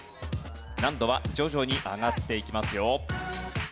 難度は徐々に上がっていきますよ。